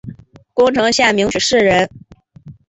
宫城县名取市人。